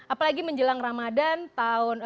apalagi menjelang ramadhan